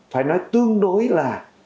phải nói tương đối là